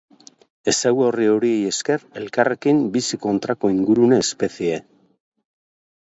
Ezaugarri horiei esker elkarrekin bizi kontrako ingurune espezie.